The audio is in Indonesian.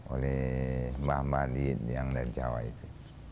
oleh mbah madin yang dari jawa itu